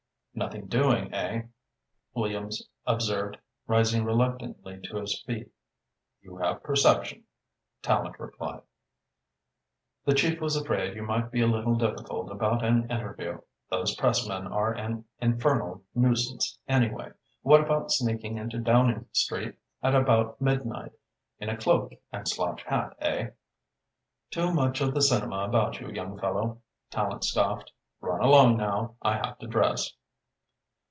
"Nothing doing, eh?" Williams observed, rising reluctantly to his feet. "You have perception," Tallente replied. "The Chief was afraid you might be a little difficult about an interview. Those pressmen are an infernal nuisance, anyway. What about sneaking into Downing Street at about midnight, in a cloak and slouch hat, eh?" "Too much of the cinema about you, young fellow," Tallente scoffed. "Run along now. I have to dress."